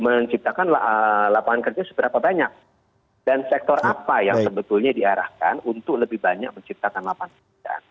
tapi belum ada target bahwa investasi harus menciptakan lapangan pekerjaan seberapa banyak dan sektor apa yang sebetulnya diarahkan untuk lebih banyak menciptakan lapangan pekerjaan